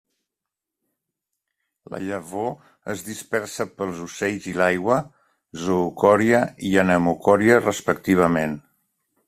La llavor es dispersa pels ocells i l'aigua, zoocòria i anemocòria respectivament.